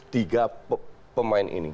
tiga pemain ini